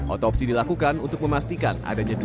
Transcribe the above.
otopsi dilakukan untuk memastikan adanya dugaan